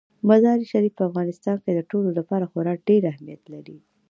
مزارشریف په افغانستان کې د ټولو لپاره خورا ډېر اهمیت لري.